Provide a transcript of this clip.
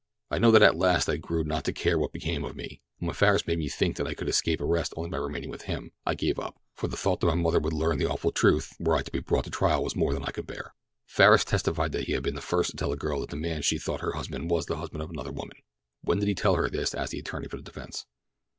I know that at last I grew not to care what became of me, and when Farris made me think that I could escape arrest only by remaining with him, I gave up, for the thought that my mother would learn the awful truth were I to be brought to trial was more than I could bear." Farris testified that he had been the first to tell the girl that the man she thought her husband was the husband of another woman. "When did you tell her this?" asked the attorney for the defense.